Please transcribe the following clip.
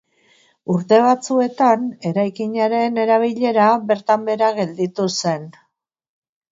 Urte batzuetan eraikinaren erabilera bertan-behera gelditu zen.